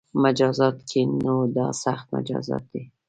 مجازاتو کې نو دا سخت مجازات دي